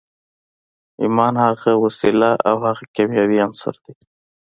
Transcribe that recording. ایمان هغه وسیله او هغه کیمیاوي عنصر دی